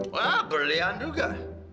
wah berlian juga